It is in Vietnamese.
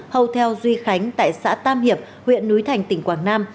hotel duy khánh tại xã tam hiệp huyện núi thành tỉnh quảng nam